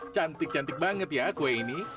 cantik cantik banget ya kue ini